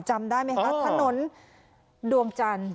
จำได้ไหมคะถนนดวงจันทร์